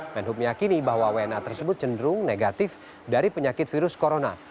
menhub meyakini bahwa wna tersebut cenderung negatif dari penyakit virus corona